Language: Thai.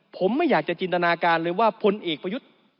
ผมไม่อยากจะจินตนาการเลยว่าพลเอกประยุทธ์